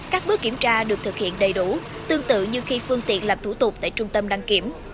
các bước kiểm tra được thực hiện đầy đủ tương tự như khi phương tiện làm thủ tục tại trung tâm đăng kiểm